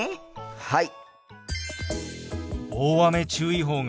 はい！